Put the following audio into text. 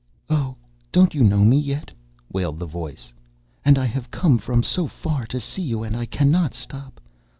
"Oh, don't you know me yet?" wailed the voice; "and I have come from so far to see you, and I cannot stop.